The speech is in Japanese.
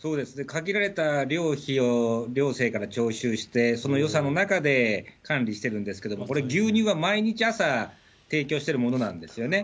限られた寮費を寮生から徴収して、その予算の中で管理してるんですけど、これ、牛乳は毎日朝、提供してるものなんですよね。